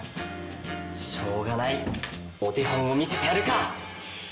しょうがないお手本を見せてやるか！